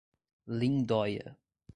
Lindóia